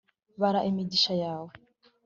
bara imigisha yawe